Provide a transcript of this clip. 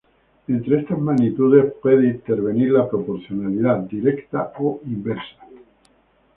Entre estas magnitudes puede intervenir la proporcionalidad directa o inversa.